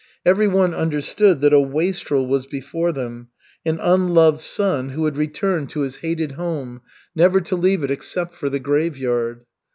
Everyone understood that a wastrel was before them, an unloved son who had returned to his hated home never to leave it except for the graveyard.